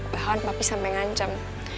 bahkan papi sampe ngancam